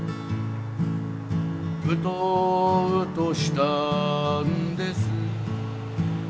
「うとうとしたんです」